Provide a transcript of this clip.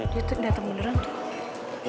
dia tuh datang beneran tuh